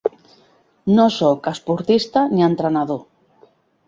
No sóc esportista ni entrenador.